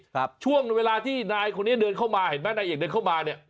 ครับช่วงเวลาที่นายคนนี้เดินเข้ามาเห็นไหมนายเอกเดินเข้ามาเนี่ย